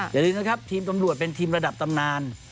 อย่าลืมนะครับทีมตำรวจเป็นทีมระดับตำนาน